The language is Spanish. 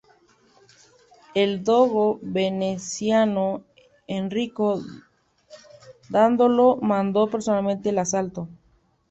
El dogo veneciano Enrico Dandolo mandó personalmente el asalto.